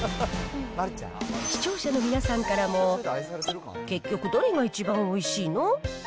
視聴者の皆さんからも、結局どれが一番おいしいの？